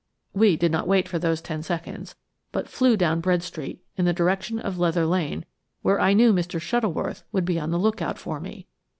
We did not wait for those ten seconds, but flew down Bread Street, in the direction of Leather Lane, where I knew Mr. Shuttleworth would be on the lookout for me.